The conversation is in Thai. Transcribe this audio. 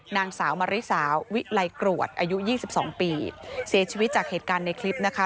นางสาวมาริสาวิไลกรวดอายุ๒๒ปีเสียชีวิตจากเหตุการณ์ในคลิปนะคะ